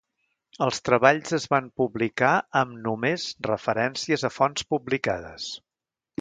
Els treballs es van publicar amb només referències a fonts publicades.